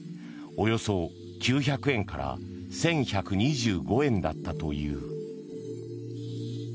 およそ９００円から１１２５円だったという。